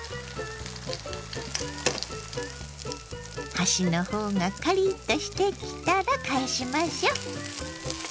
端の方がカリッとしてきたら返しましょ。